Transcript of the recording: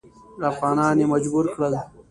افغانان یې مجبور کړل.